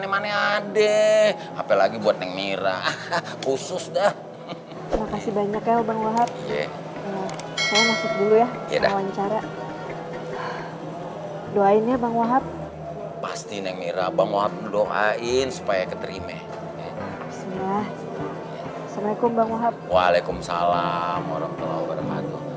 wa'alaikumussalam warahmatullahi wabarakatuh